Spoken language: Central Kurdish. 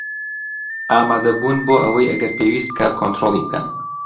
ئامادەبوون بۆ ئەوەی ئەگەر پێویست بکات کۆنترۆڵی بکەن